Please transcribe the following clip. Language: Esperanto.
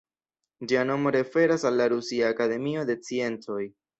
Ĝia nomo referas al la Rusia Akademio de Sciencoj.